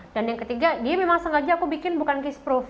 dan yang ketiga dia memang sengaja aku bikin bukan kiss proof